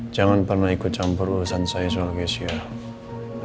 jangan pernah ikut campur urusan saya soal kesier